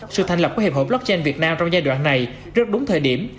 sự thành lập của hiệp hội blockchain việt nam trong giai đoạn này rất đúng thời điểm